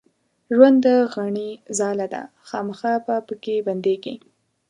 ژوند د غڼي ځاله ده خامخا به پکښې بندېږې